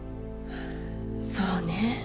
そうね。